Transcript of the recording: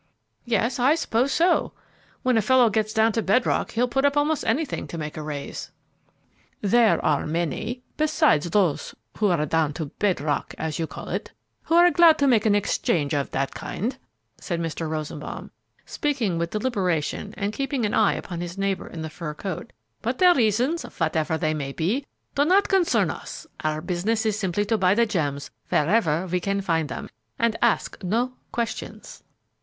"Yes, I suppose so. When a fellow gets down to bedrock, he'll put up most anything to make a raise." "There are many besides those who are down to bedrock, as you call it, who are glad to make an exchange of that kind," said Mr. Rosenbaum, speaking with deliberation and keeping an eye upon his neighbor in the fur coat; "but their reasons, whatever they may be, do not concern us; our business is simply to buy the gems wherever we can find them and ask no questions."